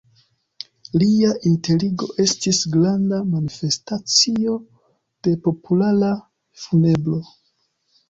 Lia enterigo estis granda manifestacio de populara funebro.